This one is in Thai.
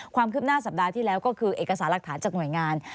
ความคืบหน้าสัปดาห์ที่แล้วก็คือเอกสารหลักฐานจากหน่วยงาน